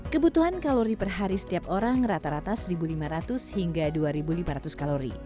kebutuhan kalori per hari setiap orang rata rata satu lima ratus hingga dua lima ratus kalori